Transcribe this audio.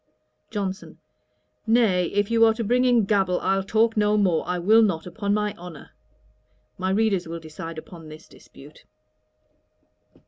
JOHNSON. 'Nay, if you are to bring in gabble, I'll talk no more. I will not, upon my honour.' My readers will decide upon this dispute.